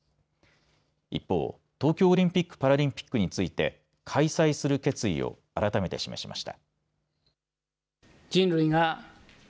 一方、東京オリンピックパラリンピックについて開催する決意をあらためて示しました。